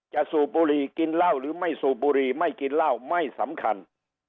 สูบบุหรี่กินเหล้าหรือไม่สูบบุหรี่ไม่กินเหล้าไม่สำคัญ